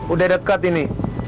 udah dekat ini